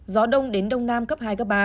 gió đông đến đông nam cấp hai ba